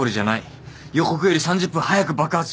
予告より３０分早く爆発します。